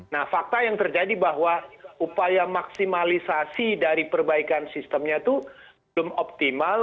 nah fakta yang terjadi bahwa upaya maksimalisasi dari perbaikan sistemnya itu belum optimal